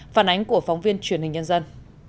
phản ánh của phóng viên truyền hình nhân dân